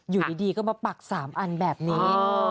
อยู่ดีก็มาปัก๓อันแบบนี้